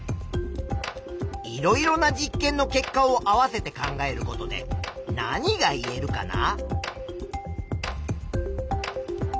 いろいろな実験の結果を合わせて考えることで何が言えるかな？